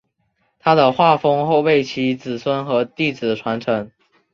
他的画风后被其子孙和弟子传承。